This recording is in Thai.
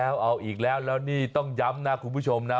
แล้วเอาอีกแล้วแล้วนี่ต้องย้ำนะคุณผู้ชมนะ